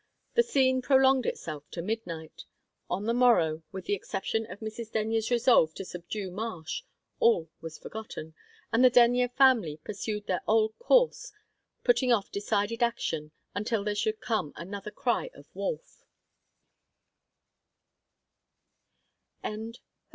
The scene prolonged itself to midnight. On the morrow, with the exception of Mrs. Denyer's resolve to subdue Marsh, all was forgotten, and the Denyer family pursued their old course, putting off decided action until there should come another cry of "Wolf!"